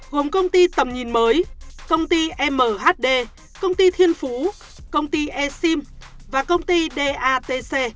gồm công ty tầm nhìn mới công ty mhd công ty thiên phú công ty e sim và công ty datc